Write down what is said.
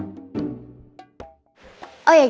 udah gak usah dibahas